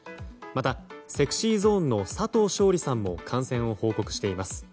また、ＳｅｘｙＺｏｎｅの佐藤勝利さんも感染を報告しています。